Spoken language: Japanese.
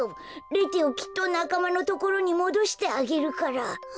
レテをきっとなかまのところにもどしてあげるから。